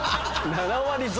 ７割増？